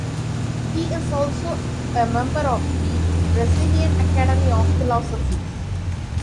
He is also a member of the Brazilian Academy of Philosophy.